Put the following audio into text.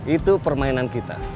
itu permainan kita